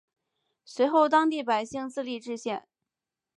随后当地百姓自立冶县。